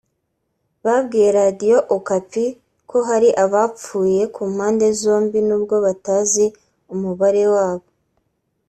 babwiye Radiyo Okapi ko hari abapfuye ku mpande zombi nubwo batazi umubare wabo